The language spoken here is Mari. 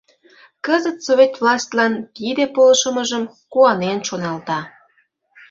Кызыт Совет властьлан тиде полшымыжым куанен шоналта.